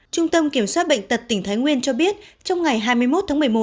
trung tâm kiểm soát bệnh tật tỉnh thái nguyên cho biết trong ngày hai mươi một tháng một mươi một